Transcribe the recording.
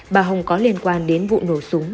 bà hồng có liên quan đến vụ nổ súng